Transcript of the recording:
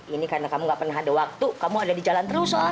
ini karena kamu gak pernah ada waktu kamu ada di jalan terus